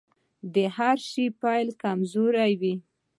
د هر شي پيل کمزوری وي .